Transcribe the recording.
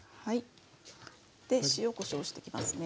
で塩・こしょうしてきますね。